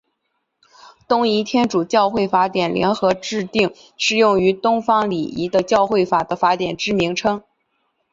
东仪天主教会法典联合制定适用于东方礼仪的教会法的法典之名称。